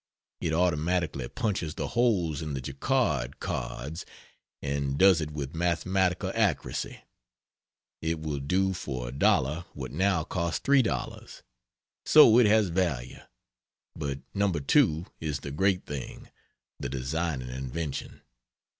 It automatically punches the holes in the jacquard cards, and does it with mathematical accuracy. It will do for $1 what now costs $3. So it has value, but "No. 2" is the great thing (the designing invention.)